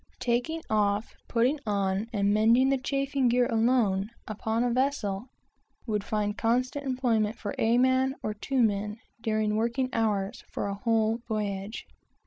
Taking off, putting on, and mending the chafing gear alone, upon a vessel, would find constant employment for two or three men, during working hours, for a whole voyage.